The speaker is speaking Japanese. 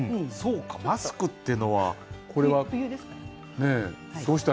そうか「マスク」っていうのはこれは。